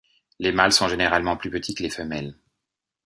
Les mâles sont généralement plus petits que les femelles.